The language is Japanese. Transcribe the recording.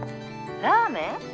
ラーメン？